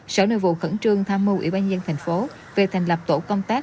sở nội vụ khẩn trương tham mưu ủy ban nhân thành phố về thành lập tổ công tác